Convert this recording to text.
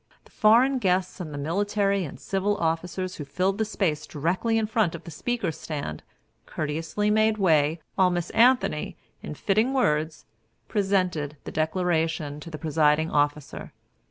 The foreign guests and the military and civil officers who filled the space directly in front of the speaker's stand, courteously made way, while Miss Anthony, in fitting words, presented the Declaration to the presiding officer.